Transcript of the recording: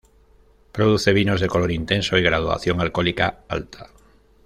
Produce vinos de color intenso y graduación alcohólica alta.